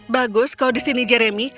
bagus kau disini jeremy